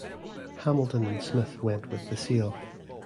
Hamilton and Smith went with the sale.